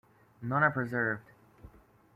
None are preserved.